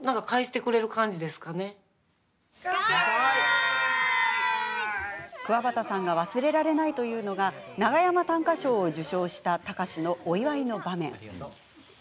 くわばたさんが忘れられないというのが長山短歌賞を受賞した貴司のお祝いの場面。